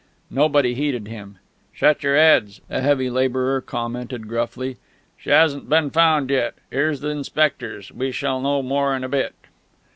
Nobody heeded him. "Shut your heads," a heavy labourer commented gruffly, "she hasn't been found yet. 'Ere's the inspectors; we shall know more in a bit."